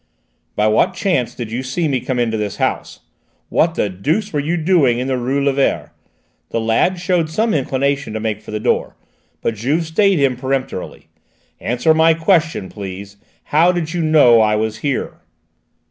"By what chance did you see me come into this house? What the deuce were you doing in the rue Lévert?" The lad showed some inclination to make for the door, but Juve stayed him peremptorily. "Answer my question, please: how did you know I was here?"